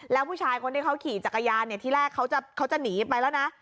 แล้วผู้ชายคนที่เขาขี่จักรยานที่แรกเขาจะหนีไปแล้วนะ